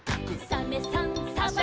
「サメさんサバさん」